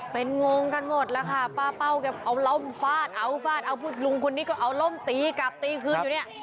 เป็นงงกันหมดแล้วค่ะป้าเป้าแกเอาร่มฟาดเอาฟาดเอาพูดลุงคนนี้ก็เอาร่มตีกลับตีคืนอยู่เนี่ย